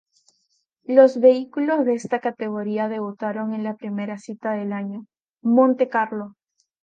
Los vehículos de esta categoría debutaron en la primera cita del año, Montecarlo.